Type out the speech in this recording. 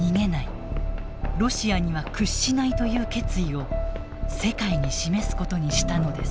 ロシアには屈しない」という決意を世界に示すことにしたのです。